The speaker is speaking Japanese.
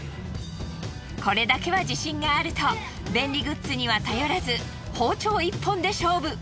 これだけは自信があると便利グッズには頼らず包丁１本で勝負。